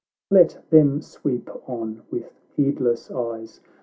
Let'them sweep on with heedless eyes